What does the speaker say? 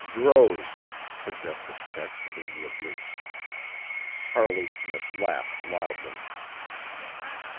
"Grows," suggested Checks amiably. Harley Smith laughed loudly.